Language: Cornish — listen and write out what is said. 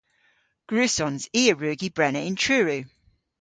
Gwrussons. I a wrug y brena yn Truru.